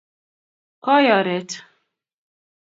koi oret